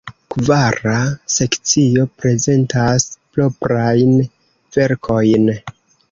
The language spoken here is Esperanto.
Kvara sekcio prezentas proprajn verkojn.